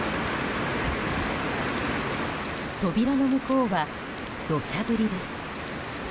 扉の向こうは、土砂降りです。